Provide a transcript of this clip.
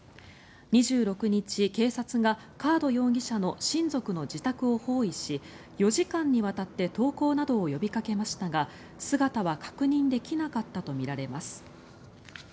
２６日、警察がカード容疑者の親族の自宅を包囲し４時間にわたって投降などを呼びかけましたが姿は確認できなかったとみられます。